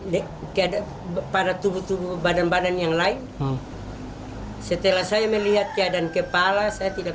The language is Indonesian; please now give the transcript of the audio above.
dekat pada tubuh tubuh badan badan yang lain setelah saya melihat keadaan kepala saya tidak